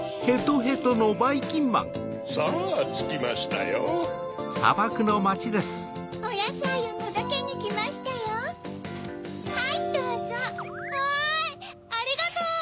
ありがとう！